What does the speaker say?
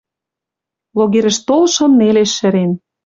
Логерӹш толшым нелеш шӹрен.